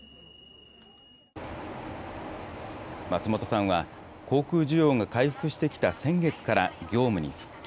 松本さんは、航空需要が回復してきた先月から業務に復帰。